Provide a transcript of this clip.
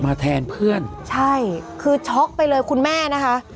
แทนเพื่อนใช่คือช็อกไปเลยคุณแม่นะคะ